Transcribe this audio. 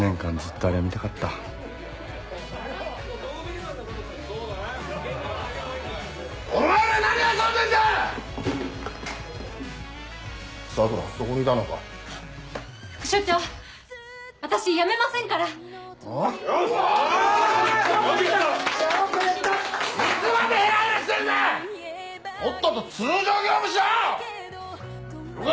とっとと通常業務しろ‼了解。